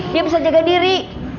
dia bisa jaga diri